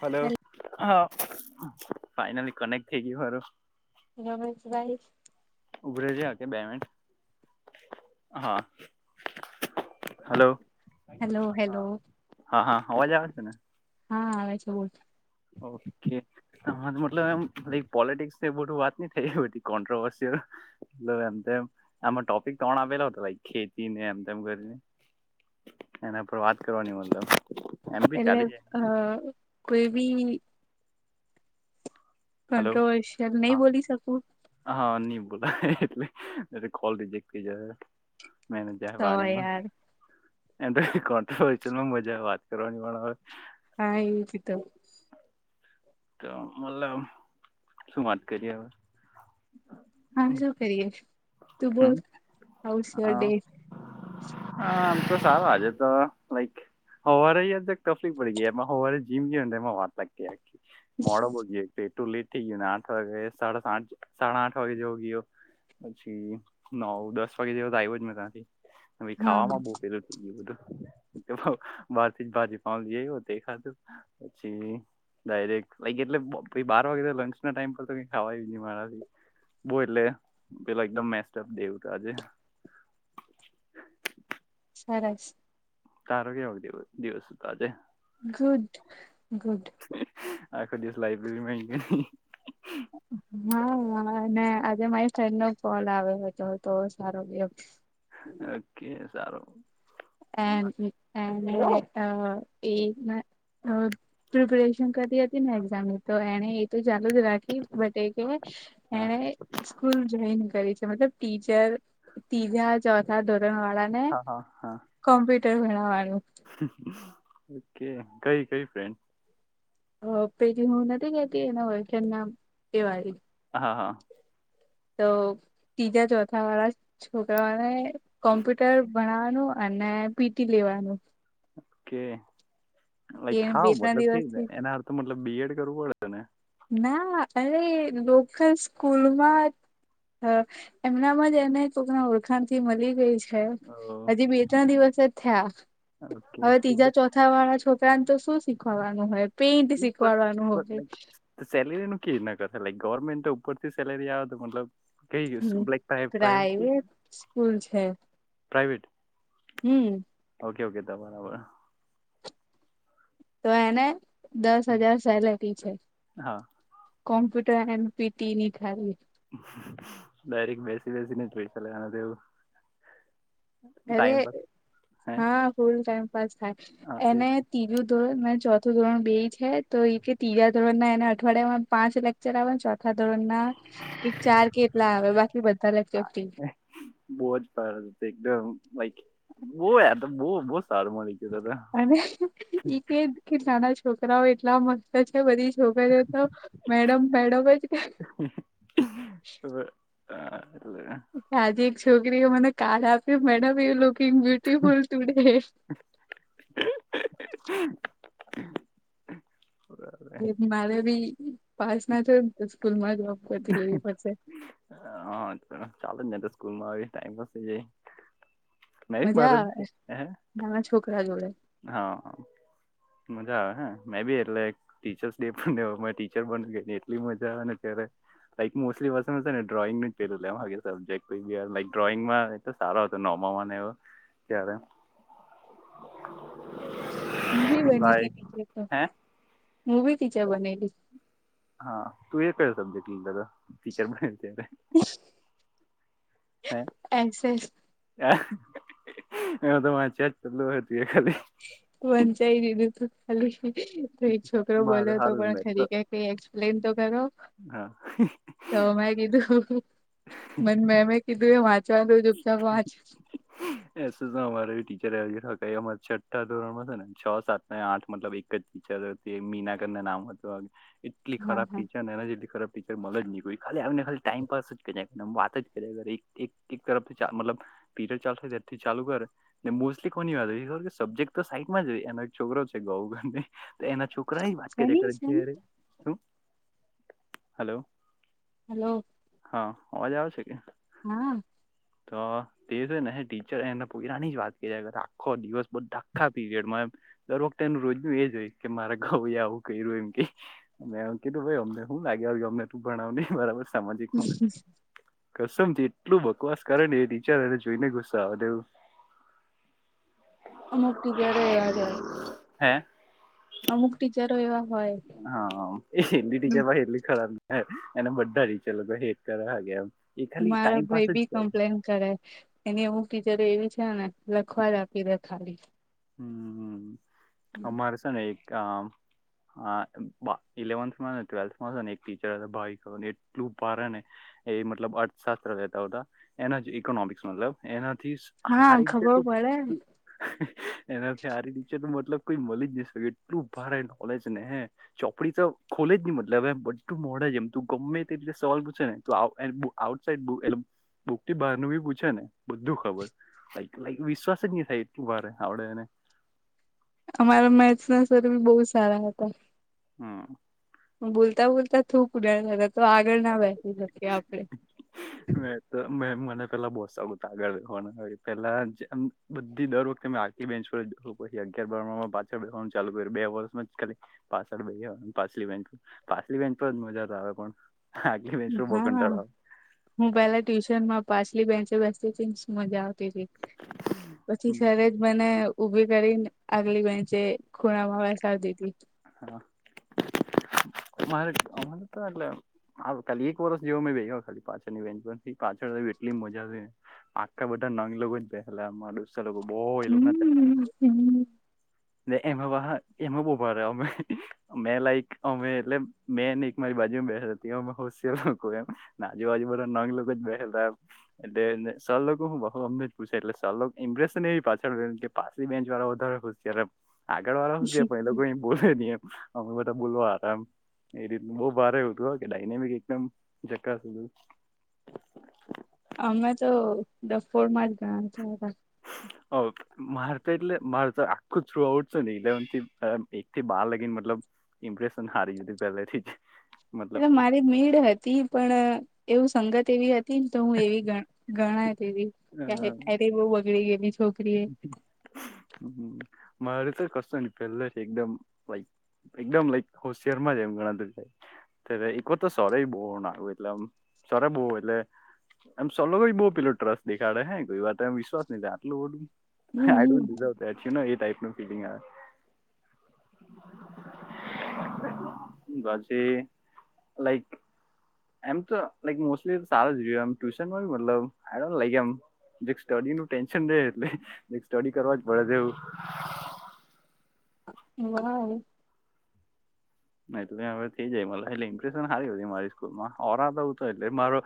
Hello હા ફ connect થઈ ગય રમશભાઈ ઉભરેજ કે બે મિનટ હા હલો હેલો હેલો હા હા અવાજ આવે છે ને હા આવે છે બું ઓકે આ મતલબ એમ પોલિટિક્સ ને બધું વાત ન થઈ કો્રોવર્ એમ તેમ આમાં ટોપિક કોણ આપલો હતો ભાઈ ખેતીને એમ તેમ કરીને એના પર વાત કરવાની મતલબ એમ બી એટલે ચાલી અ જાય કોઈ ભી હલો કોન્ટ્રોવર્શિયલ નહી હા બોલી શકું હા નવ બો એટલે કોલ રજેક થ જાય મેનેજ તો વાણીમાં યાર એ કોન્ટન મજા વાત કરવાની વા આવેય હા એવ જી તો તો મતલબ શું વાત કરી હવે હા શું કરીયે તું બોલ હમ આવશ અ, ડે હા આમ તો સારું આજે તો લાઈક હવારે યદ તકલીફ પડી ગઈ એમાં હવારે જીમ ગ ને એમાં વાત લાગતી આખી મોડો બો ગ પેટું લેટ થઈ ગયું ને આઠ વાગે સાડા સાઠ સાડા આઠ વાગે જોવો ગયોયો પછી નવ દસ વાગે જેવા તો આવ્યો જ મે ત્યાંથીી હા હા ખામાં બહ પેલું થઈ ગયું બધું કે બહાર થી જ ભાજી પા હો તે ખાધું પછી ડાયરેક્ટ લક એટલે બાર વાગે લંચ ના ટાઈમ પર તો કઈ ખાવા ન મારાથી બહ એલે પેલા એકદમ મેસ્ટફ દેવ આજે સરરેસ તારો કેવ દ દિવસ સુ તો આજે ગુદ આખો દિવસ લાઈબ્રેરીમાં ગ હા આજે મારી ફ્રેન્ડ નો ફોલ આવ્યો હતો તો સારો બયો ઓકે સારું હમ હ અ એ પ્રિપરેશન કરતી હતી ને એક્ઝામ તો એને એ તો ચાલુ જ રાખી બટે કે હા એણે સ્કૂલ જોઈન કરી છે મતલબ ટીજર તીજા ચોથા હા હા હા કોમપ્યુટર વિનાાવવા ઓકે કઈ કઈ ફ્રેન્ડ હ પે હું નથી ગતી એના હોય કે ના કેવાય હા હા તો ત્રીજા ચોથા વાળા છોકરાઓને કોમ્પ્યુટર ભણવાનું અને હ પીટી લેવાનું ઓકે લક એ બે હા ત્રણ મતલબ કે દિવસથી એના અર્ તો મતલબ બીએડ રને ના અરે લોકલ સ્કૂલમાં હા એમનામાં જ એને કોકના ઓળખાણ થી મળી ગઈ છે હજી બે ત્રણ દિવસ જ થયા ઓકે હવે ત્રીજા ચોથા વાળા છોકરા ત તો શું શીખવાનું હોય પેઇન્ટ શીખવાડવાનું હોય સેલેરીનું કે ન કર ગવર્મેન્ટ ઉપરથી સેલેરી આવે તો મતલબ હમ કઈક પ્રાઈવેટ સ્કૂલ છે પ્રાઈવેટ હમ ઓકે ઓકે ત બરાબર તો એને દસ હજાર સેલરી છે. હા કોમ્પ્યુટર એમપીટીની ખાલી. ડાયરેક બેસી બેસીને જ પૈસા લેવાના તેવું. અરે હા ફૂલ ટાઈમ પાસ હા થાય તે એને તીજું ધોરણ ને ચો થું ધોરણ બેય છે તો એ કે ત્રીજા ધોરણ ના એના અઠવાડિયામાં પાંચ લેક્ચર આવે છે. ચોથા ધોરણ ના એક ચાર કેટલા આવે બાકી બધા લેક્ચર ફ્રી. બોજ [unintelligible] બઈખ બો આતો બો બો સારું મળી ગયું અને ઈ કે કે નાના છોકરાઓ એટલા મસ્ત છે બધી છોકરીઓ તો મેડમ મેડમ જ કે. હા. આજે એક છોકરીએ મને કાર્ડ આપ્યુ મેડમ એ લોક બ્યુટિફુલ ટુડે. એ મારે બી પાસ ના થયુ ને તો સ્કૂલ માં [unintelligible] વતી લેવી પડશે. હા ચાલે ને તો સ્કૂલમાં આવી ટાઈમપાસ થઈ જાય મેય મજા મારે આવે હે. નાના છોકરા જોડે હા. મજા આવે હે મેં બી એટલે ટીચર્સ ડે પર મે એવુંમાં ટીચર બનુ કે ની એટલી મજા આવે ને ત્યારે લાઈક મોસ્ટલી વર્ષ ને ડ્રોઈંગ ને પેલું લેવ હકે સબ્જેક [unintelligible] લાઈક ડ્રોઈંગમાં એ સારો હતો નો ઓ ફોન આયવો ત્યારે. હું બી બની ગઈ લાઈક ટીચર તો, હે હું બી ટીચર બનેલી. હા તું એ કયો સબ્જેક્ટ લીધેલો ટીચર બનેલી ત્યારે. S S. [inaudible] વંચાઈ દીધું તું. ખાલી તોઈ છોકરો મારે બોલ્યો તો સારું પણ મેચ તો ખરી કે કઈ એક્સપ્લેન તો... કરો, હા તો મેં કીધું મને મેમ એ કીધું એ વાત... ચલું દુબતા વાંચ. એ અમારે ટીચર હતા, એ અમારે છઠ્ઠા ધોરણ માં હતા ને છ સાત ને આઠ મતલબ એક જ... ટીચર હતી મીના કરને ના નામ હતો... એટલી હા ખરાબ હા ટીચર ને એના જેટલી ખરાબ ટીચર મલે જ ની કોઈ ખાલી આવીને ખાલી ટાઈમપાસ જ કર્યા ને આમ વાત જ કર્યા કરે એક એક એક તરફ ચ મતલબ પીરિયડ ચાલુ થાય ત્યારથી ચાલુ કરે ને મોસ્ટલી કોની વાત હોય એ ખબર કે સબજેક્ટ તો સાઈડ માં જ રેય એનો એક છોકરો છે ગો [unintelligible] તો એના છોક છોકરાની જ વાત કર્યા શેની કરે શેની જ્યારે શુ હલો હલો. હા અવાજ આવે છે કે. હા. તો તે છે ને હે ટીચર એના પોયરાની જ વાત કર્યા કરે આખો દિવસ બધ આખા પીરિયડમાં દર વખ તેનું રોજનુ એજ હોય કે મારા ગવુ એ આવું કર્યું એમ કેય ને એમ કીધું ભાઈ અમને હું લાગે વરગે અમ ને તુ ભણાવની બરાબર સામાજિકમાં કસમથી એટલું બકવાસ કરે ને એ ટી ચર એને જોઈને ગુસ્સો આવે તેવું અમુક ટીચરો એવા જ હોય. હે અમુક ટીચ હા એલી ટીચર પાહી એટલી ખરાબ હ એના બધા ટીચર લોકો હેઠ કરે હકે એમ એ ખાલી મારા ટાઈમ ભાઈ પાસ જ બી કરે કમ્પ્લેન કરે એની અમુક ટીચર એવી છે ને લખવા જ આપી દે ખાલી હમ્મ અમારે છે ને એક આમ હા બા ઇલેવન્થમાંને ટ્વેલ્થમાં છેને એક ટીચર ભાવિકા ને એટલું ભારે ને એ મતલબ અર્થશાસ્ત્ર લેતા હુતા એના જે ઇકોનોમિક્સ મતલબ એના થી હા હારી રીતે ખબર પડે હારી ટીચર તો મતલબ કોઈ મલેજની શકે એટલું ભારે નોલેજ ને હે ચોપડી તો ખોલે જ ની મતલબ એમ બધું મોડે જ એમ તુ ગમે તે રીતે સવાલ પૂછે ને તો આ એટલે બુકથી બહારનું બી પૂછે ને બધું ખબર લાઈક લાઈક વિશ્વાસ જ નહી થાય એટલું ભારે આવડે એને અમારા મેથ્સના સર બી બોવ સારા હતા હમ્મ. બોલતા બોલતા થૂક ઉડાળે થતા તો આગળ ના બેસી શકીએ આપણે મે તો મેમ મને પેલા બહુ સારું આગળ બેહવાનુ પેલા જ એમ બધી દર વખતે મે આખી બેન્ચ પછી અગિયાર બારમાં મા પાછળ બેહવાનુ ચાલુ કર્યુ બે વર્ષમાં જ ખાલી પાછળ બેયહો પાછલી બેંચ પાછલી બેંચ પર જ મજા તો આવે પણ આગલી બેચ પર બો હા કંટાળો આવે હું પેલા ટ્યુશનમાં પાછલી બેન્ચે બેસુ શુ મજા આવતી તી પછી સરે જ મને ઉભી કરીને આગલી બેચે ખુણામા બેસાડી દીધી હા મારે અમારે તો એટલે ખાલી એક વર્ષ જેવો મે બેયહો ખાલી પાછળની બેન્ચ પર પાછળ એટલી મજા આવી ને આખા બધા નંગ લોકો જ બેહલા મારા દોસ તાર લોકો બોવ એ લોકોના હમ ને એમાં પાહા એમાં બો ભારે મેહ મેં લાઈક અમે એટલે મેંને એક મારી બાજુમાં બેહેલો તે અમે હોશિયાર લોકો એમ ને આજુબાજુ બધા નંગ લોકો જ બેહેલા એટલે સર લોકો હું બહુ અમને પૂછે એટલે સર લોક ઇમ્પ્રેશન એવી પાછળ કે પાછલી બેંચ વાળા વધારે ખુશ છે ને આગળ વાળા હુ છે પણ એ લોકો ઠીએ ની એમ અમે બધા બોલવા આરામ એ રીત બહુ ભારે એવું હતું હકે ડાયનેમિક એકદમ જકાસ હતું. અમે તો ડફોડમાં જ ગણાતા હતા. ઓ માર તો એટલે મારુ તો આખું થ્રુ આઉટ છે ને ઇલેવનથી અ એકથી બાર લાગીને મતલબ ઇમ્પ્રેશન હારી જ હતી પહેલેથી જ મતલબ એટલે મારી મીડ હતી પણ એવું સંગત એવી હત તીને તો હું એવી ગ ગણાય તેવી કયારે એ બી બગડી ગયેલી છે. હમ્મ. મારે તો કશુંની પેલાથી એકદમ લાઈક એકદમ લાઈક હોશિયારમાં જ એમ ગણાતું છે. ત્યારે એકવાર તો સરે બો નાગુ એટલે એમ સરે બો એટલે એમ સર લોકો બી બો પેલુ ટ્રસ્ટ દેખાડે હે કોઈ વાર તો એમ વિશ્વાસ ની થાય આટલું બધું I don't hmm deserve that you know type નો ફીલિંગ આવે પછી લાઈક એમ તો લાઈક મોસ્ટલી સારો જ રહ્યો ટ્યુશન મતલ આ લ એમ સ્ટડી નુ ટેન્શન રે એટલે સ્ટડી કરવા જ પડે છે એવું [unintelligible] નહી તો હવે થઈ જાય મ એટલે ઇમ્પ્રેશન સારી મારી સ્કૂલમાં ઓરાતાું તો એટલે મારો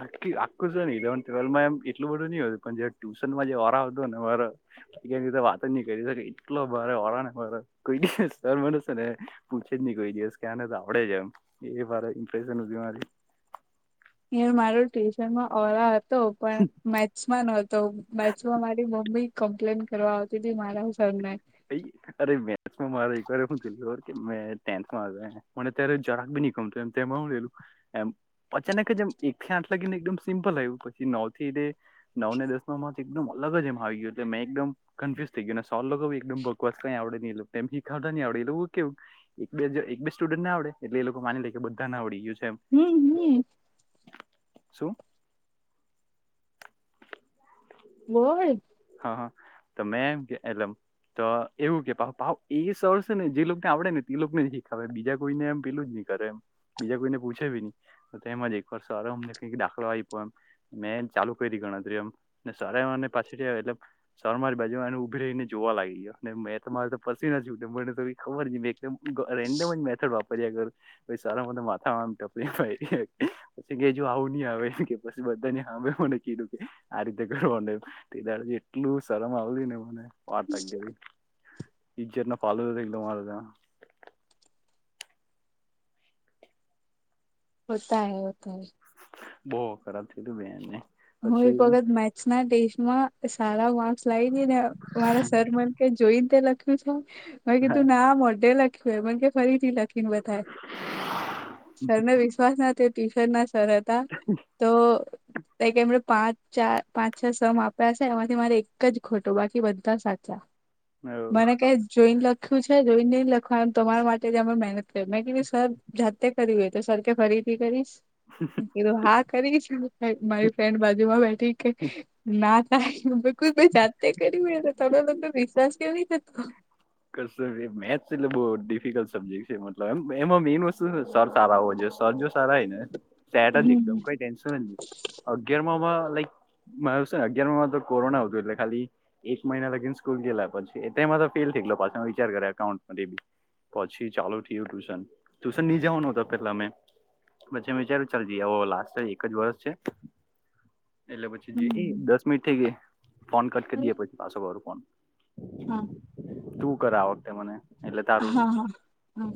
આખી આખું છે ને ઇલેવનથ ટ્વેલ્ માં એમ એટલું બધું નહં હતું પણ જે ટ્યુશનમાં જે ઓરા આવતું ને મા ક્યા રીતે વાતો જ નહીં કરી શકે એટલો મારે ઓળ ને મારો કોઈ સર મને છે ને પૂછ કોઈ દિવસ કેને તો આવડે છે એમ એ વા ઇમ્પ્રેશન મારી માર ટ્યુશન માં ઓરા તો પણ મેચસમાં નતો મેચસમાં મારી મમ્બી કમ્પ્લેન કરવા આવતી હતી મારા સરને અરે મેથ્સ મા મારે એક વાર હું થયું ખબર કે મે ટેન્થ મેં આવ્યો મને ત્યારે જાન [unintelligible] એમ અચાનક એમ એકથી આઠ લાગીને એકમ સિમ્પલ આવ્યું પછી નવ નવ ને દસ એકદમ અલગ જ એમ આવી ગયું મે એકદમ કન્ફ્યુઝ થઈ ગય અને સ એકદમ બકવાસ કઈ આવડે ન એ એમ શીખડતા નહ આવડે એલેું કેવું એક બે સ્ટુડન્ટ ને આવડે એટલે એ લોકો માની લે કે બધા ના આવડીય હમ હમ શું હોય હા હા તો મેં એમ કે એમ તો એવું કે ભાવ એ સરશે ને જે લોકોને આવડે ને એ લોકો ને હવે બીજા કોઈને એમ પેલું જ નહી કરે એમ બીજા કોઈનેૂછેી નહી તો એમાંજ એક વાર સરોમ કઈકાખ દા એ મે ચાલુ કરી ગણતરી એમ ને સરારને પાછી એટલે સ માં જ બાજુને ઉભી રહી ને જોવા લાગી ગયો મેં તમારે તો પછી ને તો ખબર જ રેન્ડમ જ મેડ વાપર્યાગર સારામાં માથામ પછી કેજ આવું નહી આવે કે પછી બધાને સાંભ મને કીધું કે આ રીતે કરવા તે દાડ એટલું શરમ આવતી ને મને વાતવી ઇજજત ના પાલદ માજ હોતા હૈ હોતા હૈ બહ ખરાબ થ તું બેને હું એક વખત મેચ ના સ્ટમાં સારા વા લઈ ને વારા સર મન જોઈને તે લખ્યું છે હ કીધું ના મોઢે લખ મ કે ફરીથી લખીને બધાય સરને વિશ્વાસ ના ટીશર્ટ ના સરતા તો ક કે એમણે પાંચ ચાર પાંચ છ સમ આપ્યા છે એમાંથી મારે એક જ ખોટો બાકી બધા સાચા મને કઈ જોઈને લખ્યું છે જોઈને નઈ લખવાનું તમારા માટે મહેનત મેં કીધું સર જાતે કર્યું હોય તો સર કે ફરીથી કરીશ ું હા કરી છે મારી ફ્રેન્ડ બાજુમાં બેઠી કે ના થાય બકુલ જાતે કર હો થોડો લોકો વિશ્વાસ કેવઈ થતો કરશ મેથ્સ એટલે બહુ ડિફિકલ્ટ સબ્જેક્ટ છે મતલબમ એમાં મેઇન વસ્તુ સર સારા હોો જો જ સારા ને સેડ એકમ હમ કઈ ટેન્શન અગિયાર માં લાઈક મા અગિાર માં તો કોરોના આવતું એટલે ખાલી એક મહિના લગીને સ્કૂલ ગેલા પછીમાં તો ફેલ થઈ ગ પા વિચાર કરે અકાઉન્ટ બી પછી ચાલુ થયું ટ્યુશન ટ્યુશન નહી જવાનું હત પેલા અમે પછી વિચાર ચાલ જ આવો લાસ્ટ એક જ વર્ષ છે એટલે પછી હમ દસ મિનિટ થઈ ગ ફોન ક કે હમ. દ પછી પાછો વારું ફોન હા તું કર વખતે મને એટલે તારું હા હા હમ